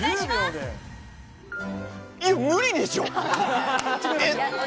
えっ、無理でしょ。